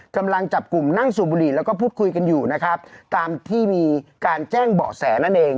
กำลังจับกลุ่มนั่งสูบบุหรี่แล้วก็พูดคุยกันอยู่นะครับตามที่มีการแจ้งเบาะแสนั่นเอง